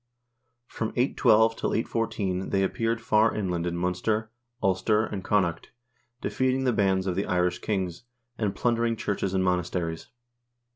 From 812 till 814 they appeared far inland in Munster, Ulster, and Connaught, defeating the bands of the Irish kings, and plundering churches and monasteries.